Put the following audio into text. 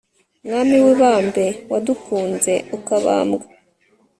mwami w'ibambe wadukunze ukabambwa